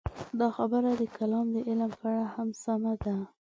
دا خبره د کلام د علم په اړه هم سمه ده.